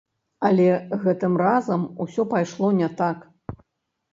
Але гэтым разам усё пайшло не так.